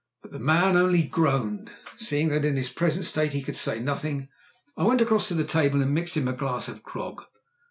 But the man only groaned. Seeing that in his present state he could say nothing, I went across to the table and mixed him a glass of grog.